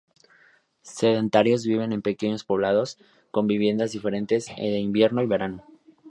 Sedentarios, viven en pequeños poblados, con viviendas diferentes de invierno y verano.